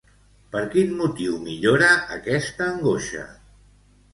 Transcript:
Per quin motiu millora, aquesta angoixa?